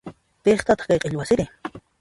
Piqpataq chay q'illu wasiri?